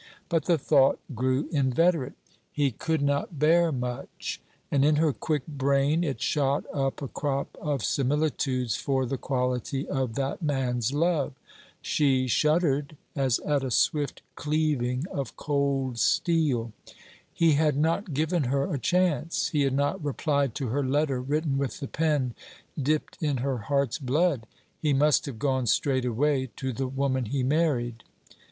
But the thought grew inveterate: 'He could not bear much.' And in her quick brain it shot up a crop of similitudes for the quality of that man's love. She shuddered, as at a swift cleaving of cold steel. He had not given her a chance; he had not replied to her letter written with the pen dipped in her heart's blood; he must have gone straight away to the woman he married.